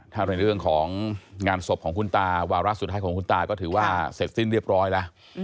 ถ้าในเรื่องของงานศพของคุณตาวาระสุดท้ายของคุณตาก็ถือว่าเสร็จสิ้นเรียบร้อยแล้ว